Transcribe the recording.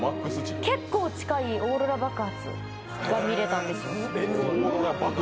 結構近いオーロラ爆発が見えたんですよ。